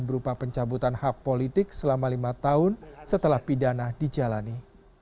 berupa pencabutan hak politik selama lima tahun setelah pidana dijalani